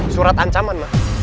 surat ancaman mah